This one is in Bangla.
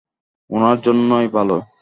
উনার জন্য ভালোই।